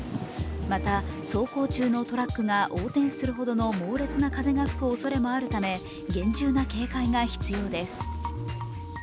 また、走行中のトラックが横転するほどの猛烈な風が吹くおそれもあるため厳重な警戒が必要です。